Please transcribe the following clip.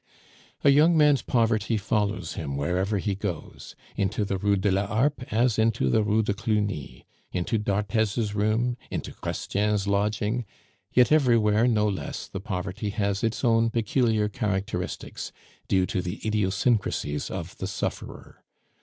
A young man's poverty follows him wherever he goes into the Rue de la Harpe as into the Rue de Cluny, into d'Arthez's room, into Chrestien's lodging; yet everywhere no less the poverty has its own peculiar characteristics, due to the idiosyncrasies of the sufferer.